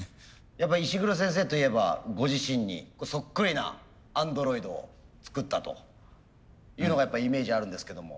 やっぱ石黒先生といえばご自身にそっくりなアンドロイドを作ったというのがやっぱイメージあるんですけども。